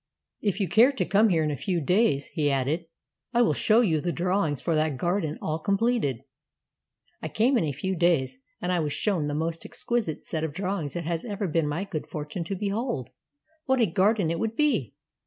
— If you care to come here in a few days," he added, "I will show you the drawings for that garden all completed." I came in a few days, and I was shown the most exquisite set of drawings it has ever been my good fortune to behold. What a garden it would be